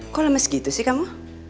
kok lemes gitu sih kamu